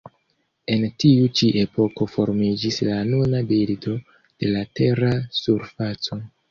En tiu ĉi epoko formiĝis la nuna bildo de la Tera surfaco.